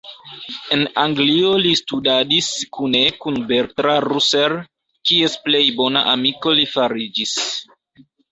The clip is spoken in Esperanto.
En Anglio li studadis kune kun Bertrand Russell, kies plej bona amiko li fariĝis.